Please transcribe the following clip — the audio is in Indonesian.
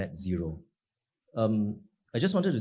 untuk berubah ke net zero